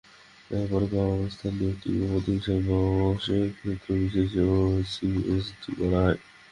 ন্যায়ের পক্ষে অবস্থান নিয়ে কিংবা প্রতিহিংসার বশে ক্ষেত্রবিশেষে ওএসডি করা হয়।